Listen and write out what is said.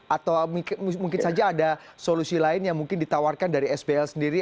atau mungkin saja ada solusi lain yang mungkin ditawarkan dari sbl sendiri